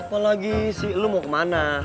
apalagi sih lo mau kemana